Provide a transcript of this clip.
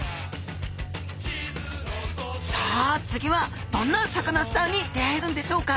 さあ次はどんなサカナスターに出会えるんでしょうか？